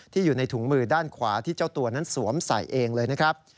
อยู่ในถุงมือด้านขวาที่เจ้าตัวนั้นสวมใส่เองเลยนะครับ